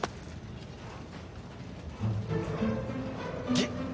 ギッ。